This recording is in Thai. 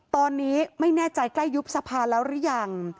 ตอนนี้ไม่แน่ใจใกล้ยุบสภาแล้วหรือยัง